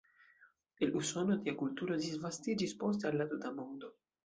El Usono, tia kulturo disvastiĝis poste al la tuta mondo.